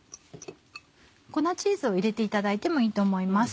粉チーズを入れていただいてもいいと思います。